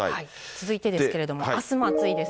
続いてですけれども、あすも暑いです。